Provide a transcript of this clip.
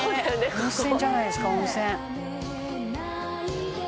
「温泉じゃないですか温泉」